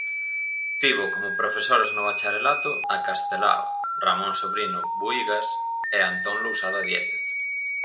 Tivo como profesores no bacharelato a Castelao, Ramón Sobrino Buhigas e Antón Lousada Diéguez.